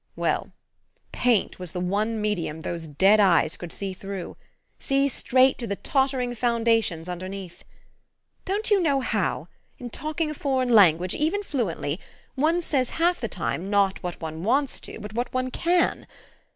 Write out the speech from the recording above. Well, paint was the one medium those dead eyes could see through see straight to the tottering foundations underneath. Don't you know how, in talking a foreign language, even fluently, one says half the time not what one wants to but what one can?